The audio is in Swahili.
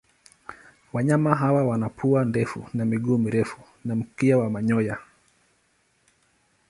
Wanyama hawa wana pua ndefu na miguu mirefu na mkia wa manyoya.